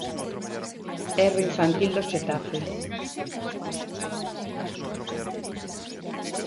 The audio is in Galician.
Erro infantil do Xetafe.